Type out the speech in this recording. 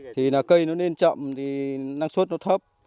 thì là cây nó lên chậm thì năng suất nó thấp